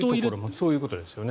そういうことですよね。